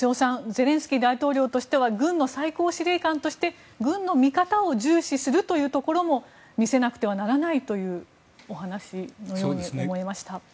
ゼレンスキー大統領としては軍の最高司令官として軍の見方を重視するところも見せなくてはならないというお話のように思いました。